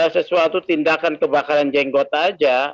sesuatu tindakan kebakaran jenggot aja